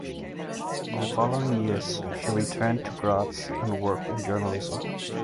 In the following years she returned to Graz and worked in journalism.